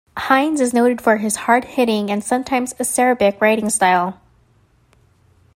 Hines is noted for his hard hitting and sometimes acerbic writing style.